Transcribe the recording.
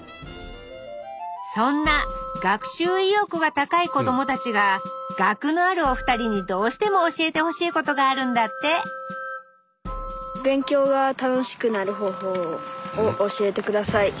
そんな学習意欲が高い子どもたちが学のあるお二人にどうしても教えてほしいことがあるんだってを教えて下さい！